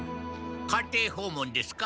家庭訪問ですか？